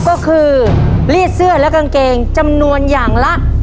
ครอบครัวของแม่ปุ้ยจังหวัดสะแก้วนะครับ